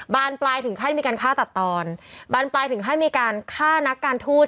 บานปลายถึงขั้นมีการฆ่าตัดตอนบานปลายถึงขั้นมีการฆ่านักการทูต